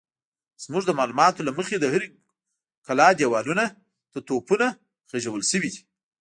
زموږ د معلوماتو له مخې د هرې کلا دېوالونو ته توپونه خېژول شوي دي.